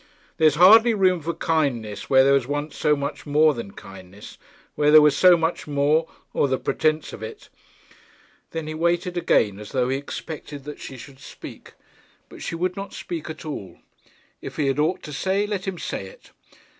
'There is hardly room for kindness where there was once so much more than kindness; where there was so much more, or the pretence of it.' Then he waited again, as though he expected that she should speak. But she would not speak at all. If he had aught to say, let him say it.